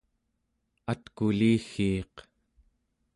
atkuliggiiq